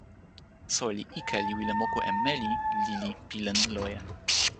soweli ike li wile moku e meli lili pi len loje.